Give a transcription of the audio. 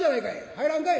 入らんかい。